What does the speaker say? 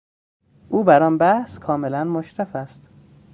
او بر آن بحث کاملا مشرف است